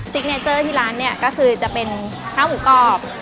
เนเจอร์ที่ร้านเนี่ยก็คือจะเป็นข้าวหมูกรอบ